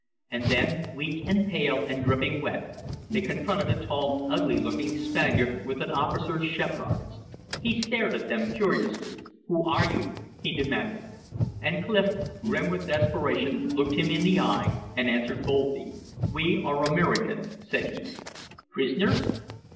And then, weak and pale and dripping wet, they confronted a tall, ugly looking Spaniard with an officer's chevrons. He stared at them curiously. "Who are you?" he demanded. And Clif, grim with desperation, looked him in the eye and answered boldly: "We are Americans," said he. "Prisoners?"